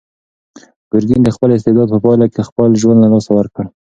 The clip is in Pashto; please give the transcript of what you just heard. ګورګین د خپل استبداد په پایله کې خپل ژوند له لاسه ورکړ.